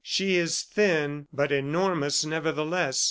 "She is thin, but enormous, nevertheless!"